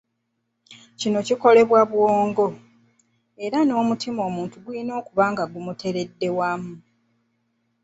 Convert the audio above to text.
Kino kikolebwa bwongo, era n’omutima omuntu gulina okuba nga gumuteredde wamu.